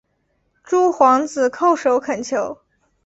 诸皇子叩首恳求。